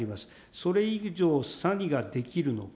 それ以上、何ができるのか。